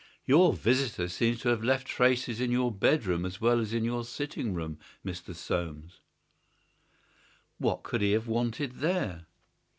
"Your visitor seems to have left traces in your bedroom as well as in your sitting room, Mr. Soames." "What could he have wanted there?"